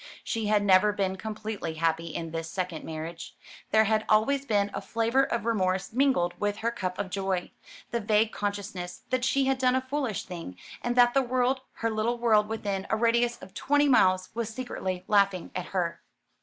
She had never been completely happy in this second marriage. There had always been a flavour of remorse mingled with her cup of joy; the vague consciousness that she had done a foolish thing, and that the world her little world within a radius of twenty miles was secretly laughing at her.